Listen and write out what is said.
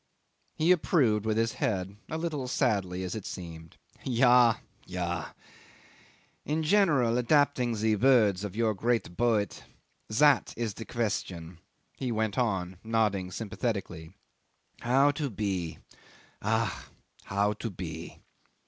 'He approved with his head, a little sadly as it seemed. "Ja! ja! In general, adapting the words of your great poet: That is the question. ..." He went on nodding sympathetically. ... "How to be! Ach! How to be."